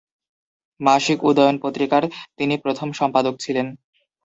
মাসিক 'উদয়ন' পত্রিকার তিনি প্রথম সম্পাদক ছিলেন।